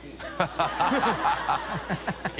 ハハハ